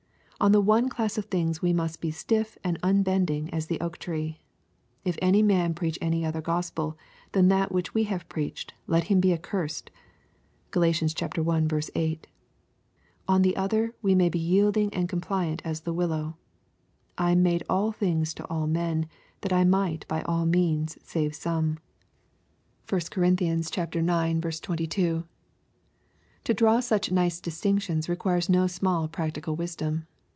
On the one class of things we must be stiff and unbending as the oak tree : "If any man preach any other Gos pel than that which we have preached, let him be accursed/' (Gal. i. 8.) — On the other we may be yield ing and compliant as the willow, " I am made all things to all men, that I might by all means save some" liUKE^ CHAP. XI. 21 (1 Cor. ix. 22 ) To draw such nice distinctioDB requires DO small practical wisdom.